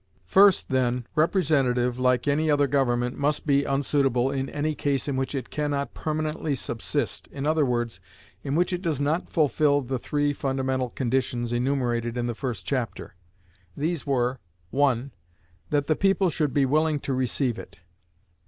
First, then, representative, like any other government, must be unsuitable in any case in which it can not permanently subsist i.e., in which it does not fulfill the three fundamental conditions enumerated in the first chapter. These were, 1. That the people should be willing to receive it.